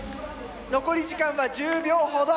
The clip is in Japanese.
残り時間は１０秒ほど！